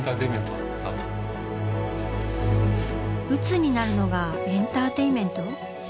鬱になるのがエンターテインメント？